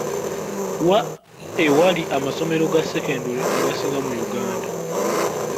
Wa ewali amasomero ga sekendule agasinga mu Uganda.